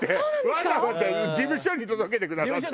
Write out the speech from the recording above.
わざわざ事務所に届けてくださったの。